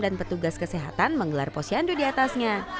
dan petugas kesehatan menggelar posyandu di atasnya